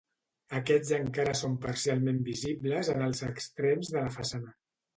Aquests encara són parcialment visibles en els extrems de la façana.